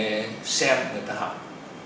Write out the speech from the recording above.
học tập sinh hoạt tại mảnh đất liên xô